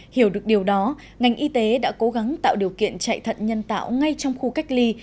hiểu được điều đó ngành y tế đã cố gắng tạo điều kiện chạy thận nhân tạo ngay trong khu cách ly